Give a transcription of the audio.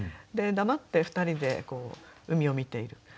で黙って２人で海を見ている。